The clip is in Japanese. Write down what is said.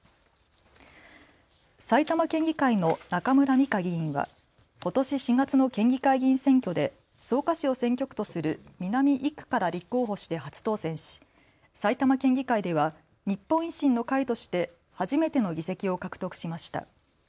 埼玉県議会の中村美香議員はことし４月の県議会議員選挙で草加市を選挙区とする南１区から立候補して初当選し埼玉県議会では日本維新の会として初めての議席を獲得しました。